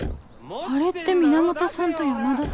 あれって源さんと山田さん？